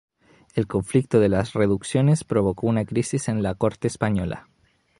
El conflicto de las reducciones provocó una crisis en la Corte española.